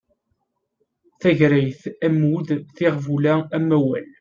Tagrayt, ammud, tiɣbula, amawal